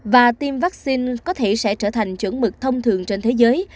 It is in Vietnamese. và tiêm vaccine có thể sẽ trở thành chuẩn mực thông thường trên thế giới